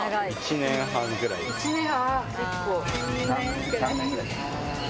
１年半ぐらいです。